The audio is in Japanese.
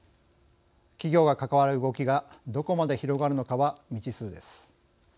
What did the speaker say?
企業が関わる動きがどこまで広がるのかは未知数です。